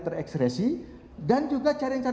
terekspresi dan juga cari cari